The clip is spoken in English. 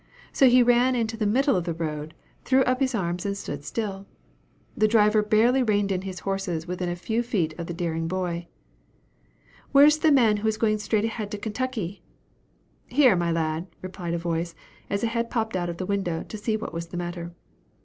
So he ran into the middle of the road, threw up his arms, and stood still. The driver barely reined in his horses within a few feet of the daring boy. "Where is the man who is going straight ahead to Kentucky?" "Here, my lad," replied a voice, as a head popped out of the window, to see what was the matter.